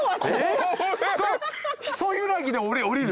一揺らぎで降りる？